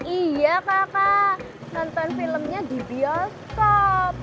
iya kakak nonton filmnya di bioskop